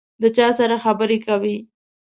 د چا سره خبري کوې ؟